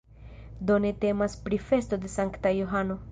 Do ne temas pri festo de Sankta Johano.